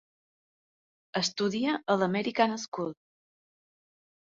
Estudia a l'American School.